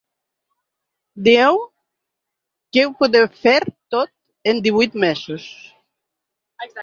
Dieu que ho podeu fer tot en divuit mesos.